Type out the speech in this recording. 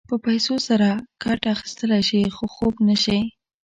په پیسو سره کټ اخيستلی شې خو خوب نه شې.